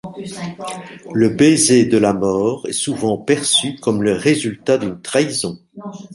Le baiser de la mort est souvent perçu comme le résultat d'une trahison.